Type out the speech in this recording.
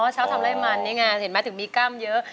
เช้าทำไร่มันนี่ไงเห็นไหมถึงมีกล้ามเยอะ